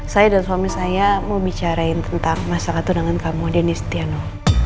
saya dan suami saya mau bicara tentang masyarakat undangan kamu denise tiano